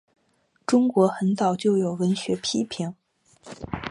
中国很早就有文学批评。